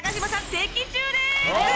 的中です！